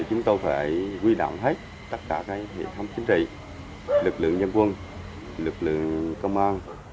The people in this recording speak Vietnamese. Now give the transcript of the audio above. chúng tôi phải quy động hết tất cả hệ thống chính trị lực lượng nhân quân lực lượng công an